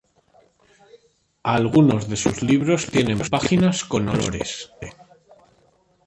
Algunos de sus libros tienen páginas con olores.